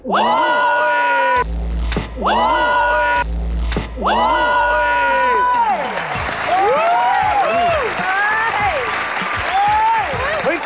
เฮ้ยคุณเจ๋งเลยครับพี่โก๊ะ